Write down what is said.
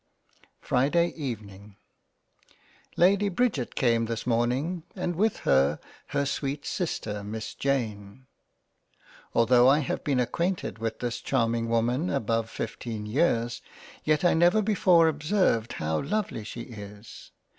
Friday Evening Lady Bridget came this morning, and with her, her sweet sister Miss Jane —. Although I have been acquainted with this charming Woman above fifteen Years, yet I never before observed how lovely she is.